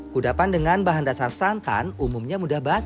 kudapan dengan bahan dasar santan umumnya mudah banget